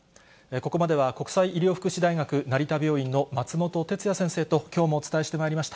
ここまでは国際医療福祉大学成田病院の松本哲哉先生ときょうもお伝えしてまいりました。